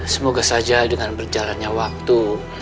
semoga saja dengan berjalannya waktu